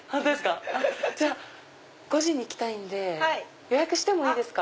じゃあ５時に来たいんで予約してもいいですか？